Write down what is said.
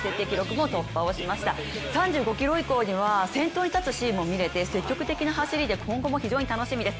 ３５ｋｍ以降には先頭に立つシーンも見れて今後も非常に楽しみです。